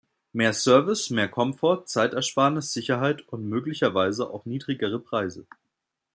Mehr Service, mehr Komfort, Zeitersparnis, Sicherheit und möglicherweise auch niedrigere Preise.